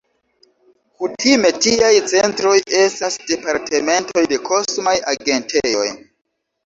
Kutime tiaj centroj estas departementoj de kosmaj agentejoj.